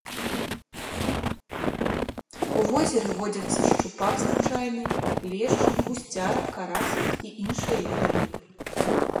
У возеры водзяцца шчупак звычайны, лешч, гусцяра, карась і іншыя віды рыб.